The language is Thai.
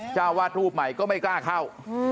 เจ้าวาดรูปใหม่ก็ไม่กล้าเข้า